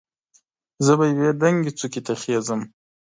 زه به یوې دنګې څوکې ته خېژم.